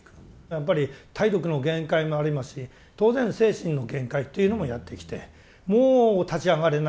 やっぱり体力の限界もありますし当然精神の限界というのもやってきてもう立ち上がれないんだ